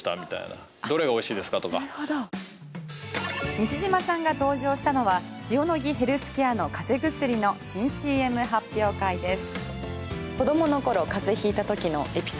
西島さんが登場したのはシオノギヘルスケアの風邪薬の新ＣＭ発表会です。